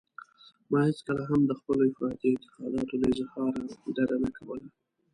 ما هېڅکله هم د خپلو افراطي اعتقاداتو له اظهاره ډډه نه کوله.